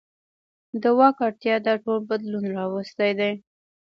د واک اړتیا دا ټول بدلون راوستی دی.